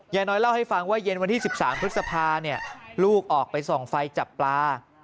ยายน้อยเล่าให้ฟังว่าเย็นวันที่๑๓พฤษภาลูกออกไปส่องไฟจับปลา